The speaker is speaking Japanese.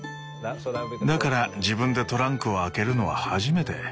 だから自分でトランクを開けるのは初めて。